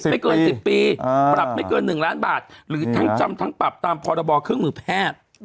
ไม่เกิน๑๐ปีปรับไม่เกิน๑ล้านบาทหรือทั้งจำทั้งปรับตามพรบเครื่องมือแพทย์